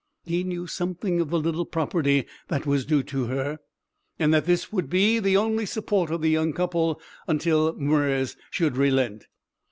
He knew something of the little property that was due to her, and that this would be the only support of the young couple until Mwres should relent.